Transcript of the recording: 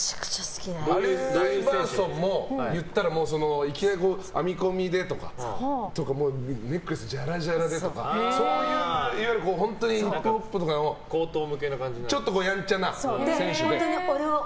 アレン・アイバーソンもいきなり編み込みでとかネックレスじゃらじゃらでとかそういういわゆる本当にヒップホップなちょっとやんちゃな選手で。